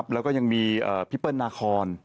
แล้วก็ยังมีพี่เปิ้ลนาคอน